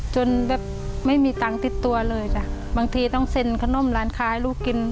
จนแบบไม่มีตังค์ติดตัวเลยจ้ะบางทีต้องเซ็นขนมร้านค้าให้ลูกกิน